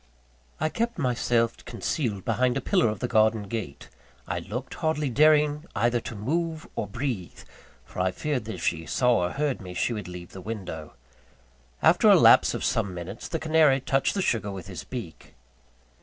I kept myself concealed behind a pillar of the garden gate; I looked, hardly daring either to move or breathe; for I feared that if she saw or heard me, she would leave the window. After a lapse of some minutes, the canary touched the sugar with his beak.